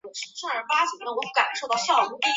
萨勒斯勒沙托人口变化图示